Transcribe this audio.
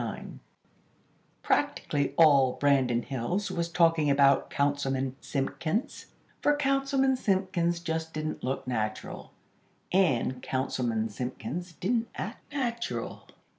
XXXIX Practically all Branton Hills was talking about Councilman Simpkins; for Councilman Simpkins just didn't look natural; and Councilman Simpkins didn't act natural.